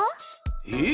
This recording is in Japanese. えっ！？